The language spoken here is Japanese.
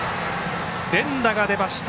連打が出ました。